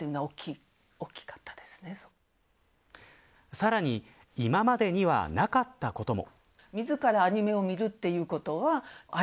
さらに今までにはなかったことも。